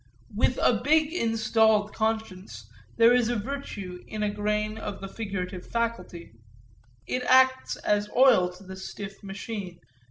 With a big installed conscience there is virtue in a grain of the figurative faculty it acts as oil to the stiff machine.